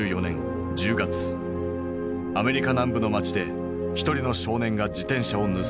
アメリカ南部の町で一人の少年が自転車を盗まれた。